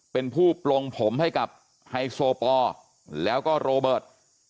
เป็นผู้ปลงผมให้กับไฮโซปอแล้วก็โรเบิร์ต